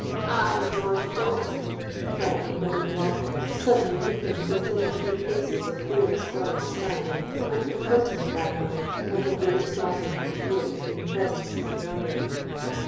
'—'I, George Dalton!' cried my brother in law, suddenly leaping to within a few paces of where the Squire was standing, and confronting the bad man like a ghost rising from a grave in the presence of the murderer.